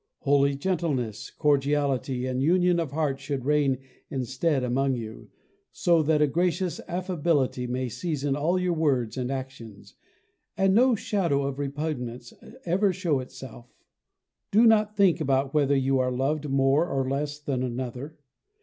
Holy gentleness, cordiality, and union of heart should reign instead among you, so that a gracious affability may season all your words and actions, and no shadow of repugnance ever show itself. Do not think about whether you are loved more or less than another.